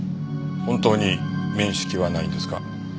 本当に面識はないんですか？